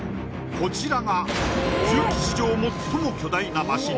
こちらが重機史上最も巨大なマシン